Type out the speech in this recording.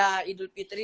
menyikapi idul fitri